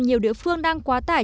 nhiều địa phương đang quá tải